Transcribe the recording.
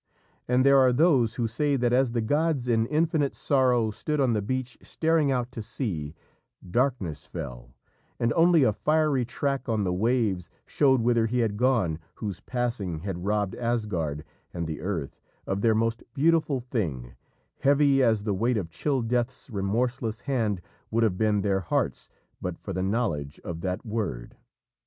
And there are those who say that as the gods in infinite sorrow stood on the beach staring out to sea, darkness fell, and only a fiery track on the waves showed whither he had gone whose passing had robbed Asgard and the Earth of their most beautiful thing, heavy as the weight of chill Death's remorseless hand would have been their hearts, but for the knowledge of that word.